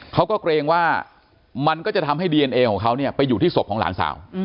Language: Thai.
เขาก็เกรงว่ามันก็จะทำให้ดีเอนเอของเขาไปอยู่ที่สบของหลานสาว